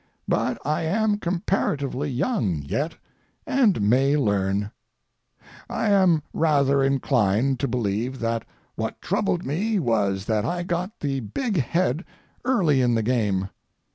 But I am comparatively young yet, and may learn. I am rather inclined to believe that what troubled me was that I got the big head early in the game.